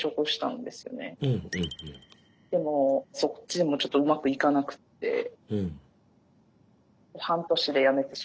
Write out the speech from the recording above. でもそっちでもちょっとうまくいかなくって半年で辞めてしまって。